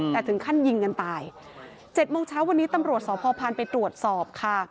แต่ถึงค่านยิงกันตายเจ็ดเช้าบันนี้ตัมบลวปสวพพันธ์ไปตรวจสอบค่ะ